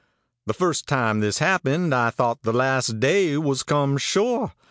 The first time this happened I thought the last day was come sure.